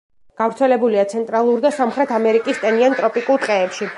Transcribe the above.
გავრცელებულია ცენტრალურ და სამხრეთ ამერიკის ტენიან ტროპიკულ ტყეებში.